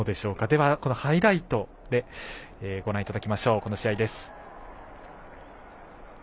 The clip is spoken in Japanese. では、このハイライトでご覧いただきましょう。